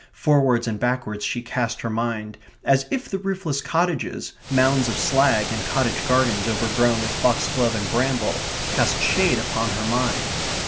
Forwards and backwards she cast her mind, as if the roofless cottages, mounds of slag, and cottage gardens overgrown with foxglove and bramble cast shade upon her mind.